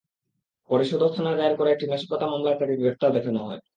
পরে সদর থানায় দায়ের করা একটি নাশকতা মামলায় তাঁকে গ্রেপ্তার দেখানো হয়।